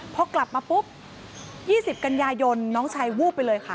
พอกลับมาปุ๊บ๒๐กันยายนน้องชายวูบไปเลยค่ะ